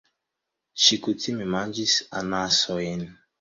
Ŝi kutime manĝis anasojn.